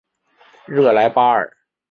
热莱巴尔。